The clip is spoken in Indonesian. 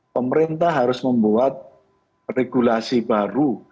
pemerintah harus membuat regulasi baru